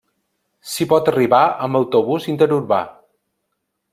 S’hi pot arribar amb autobús interurbà.